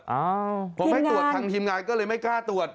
อ้าวผมให้ตรวจทางทีมงานก็เลยไม่กล้าตรวจ